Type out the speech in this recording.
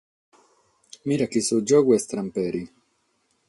Mira chi su giogu est tramperi.